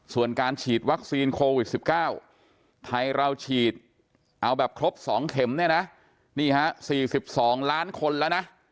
ส่วนการฉีดวัคซีนโควิด๑๙ไทยเราฉีดเอาแบบครบ๒เข็มเนี่ยนะนี่ฮะ๔๒ล้านคนแล้วนะ